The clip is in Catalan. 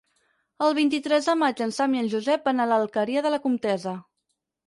El vint-i-tres de maig en Sam i en Josep van a l'Alqueria de la Comtessa.